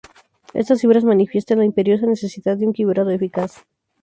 Estas cifras manifiestan la imperiosa necesidad de un cribado eficaz.